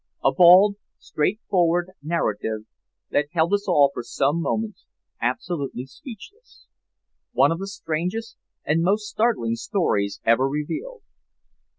A bald, straightforward narrative that held us all for some moments absolutely speechless one of the strangest and most startling stories ever revealed.